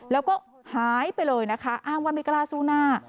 แล้วก็หายไปเลยนะคะอ้างว่าไม่กล้าสู้หน้า